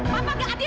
papa nggak adil